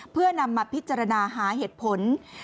เพื่อนำมาพิจารณาหาเหตุผล